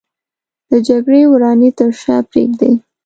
د جګړې ورانۍ تر شا پرېږدي